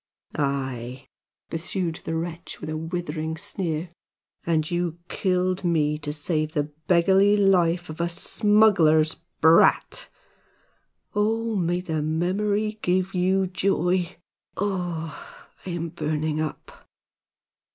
"Aye," pursued the wretch, with a withering sneer, "and you killed me to save the beggarly life of a smuggler's brat! Oho! may the memory give you joy! Oh, I am burning up!"